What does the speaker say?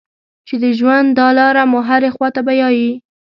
چې د ژوند دا لاره مو هرې خوا ته بیايي.